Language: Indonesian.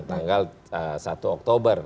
tanggal satu oktober